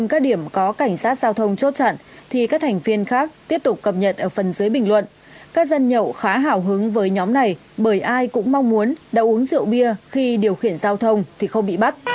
các dân nhậu khá hào hứng với nhóm này bởi ai cũng mong muốn đã uống rượu bia khi điều khiển giao thông thì không bị bắt